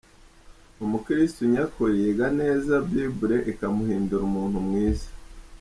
Umukristu nyakuri, yiga neza Bible ikamuhindura umuntu mwiza.